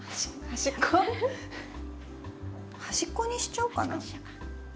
端っこにしちゃおうか。